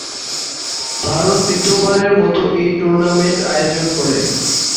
ভারত তৃতীয়বারের মতো এই টুর্নামেন্ট আয়োজন করে।